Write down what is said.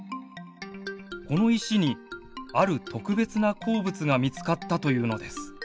この石にある特別な鉱物が見つかったというのです。